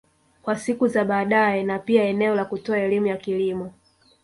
Kwa siku za badae na pia eneo la kutoa elimu ya kilimo